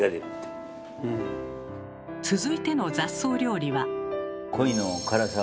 続いての雑草料理は。